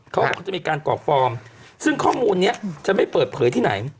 เขาบอกเขาจะมีการกรอกฟอร์มซึ่งข้อมูลนี้จะไม่เปิดเผยที่ไหน